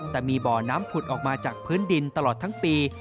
แต่มีบ่อน้ำผุดออกมาจากพื้นดินตลอดทั้งปี